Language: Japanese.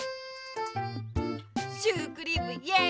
シュークリームイエイ！